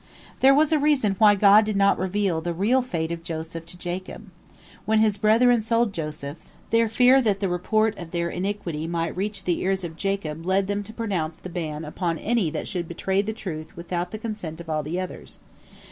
There was a reason why God did not reveal the real fate of Joseph to Jacob. When his brethren sold Joseph, their fear that the report of their iniquity might reach the ears of Jacob led them to pronounce the ban upon any that should betray the truth without the consent of all the others.